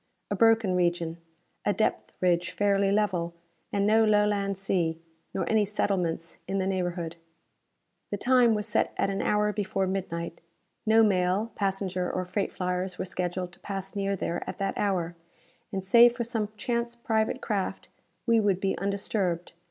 A broken region, a depth ridge fairly level, and no Lowland sea, nor any settlements in the neighborhood. The time was set at an hour before midnight. No mail, passenger or freight flyers were scheduled to pass near there at that hour, and, save for some chance private craft, we would be undisturbed.